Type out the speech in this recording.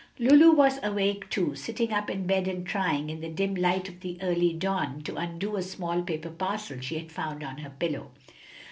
Lulu was awake, too, sitting up in bed and trying, in the dim light of the early dawn, to undo a small paper parcel she had found on her pillow.